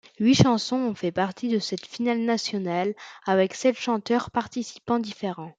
Huit chansons ont fait partie de cette finale nationale avec sept chanteurs participants différents.